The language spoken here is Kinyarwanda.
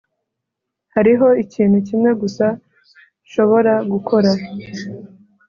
hariho ikintu kimwe gusa nshobora gukora,